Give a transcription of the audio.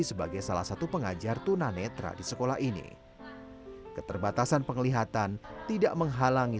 sebagai salah satu pengajar tunanetra di sekolah ini keterbatasan penglihatan tidak menghalangi